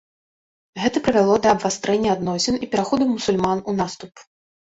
Гэта прывяло да абвастрэння адносін і пераходу мусульман у наступ.